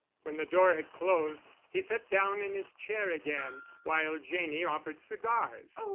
When the door had closed he sat down in his chair again, while Janney offered cigars.